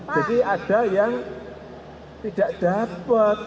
jadi ada yang tidak dapat